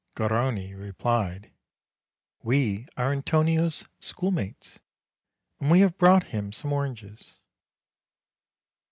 Garrone replied : "We are Antonio's school mates, and we have brought him some oranges."